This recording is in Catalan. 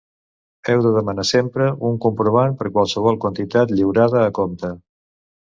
Heu de demanar sempre un comprovant per qualsevol quantitat lliurada a compte.